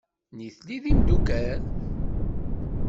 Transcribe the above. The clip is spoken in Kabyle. Nitni d imeddukal?